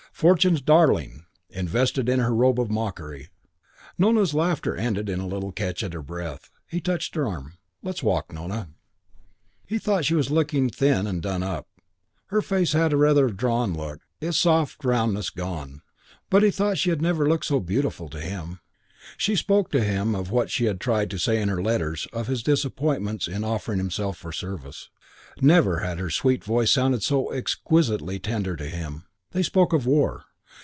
Fortune's darling; invested in her robe of mockery. Nona's laughter ended in a little catch at her breath. He touched her arm. "Let's walk, Nona." IV He thought she was looking thin and done up. Her face had rather a drawn look, its soft roundness gone. He thought she never had looked so beautiful to him. She spoke to him of what she had tried to say in her letters of his disappointments in offering himself for service. Never had her sweet voice sounded so exquisitely tender to him. They spoke of the war.